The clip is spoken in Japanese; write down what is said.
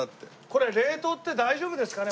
これ冷凍って大丈夫ですかね？